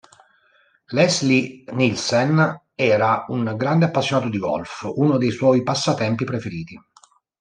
Leslie Nielsen era un grande appassionato di golf, uno dei suoi passatempi preferiti.